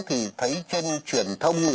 thì thấy trên truyền thông